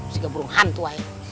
sehingga burung hantu aja